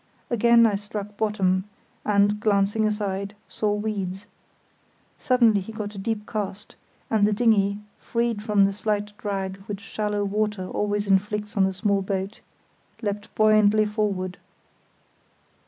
Again I struck bottom, and, glancing aside, saw weeds. Suddenly he got a deep cast, and the dinghy, freed from the slight drag which shallow water always inflicts on a small boat, leapt buoyantly forward.